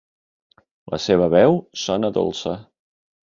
La seva veu sona dolça.